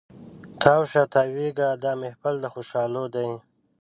تاو شه تاویږه دا محفل د خوشحالو دی